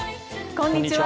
こんにちは。